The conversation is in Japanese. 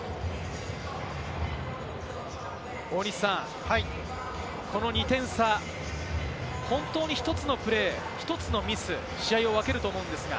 大西さん、この２点差、本当に１つのプレー、１つのミスで試合を分けると思うんですが？